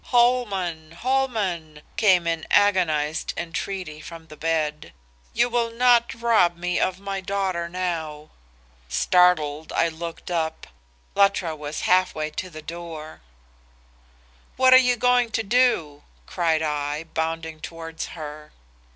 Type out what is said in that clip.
"'Holman! Holman!' came in agonized entreaty from the bed, 'you will not rob me of my daughter now?' "Startled, I looked up. Luttra was half way to the door. "'What are you going to do?' cried I, bounding towards her.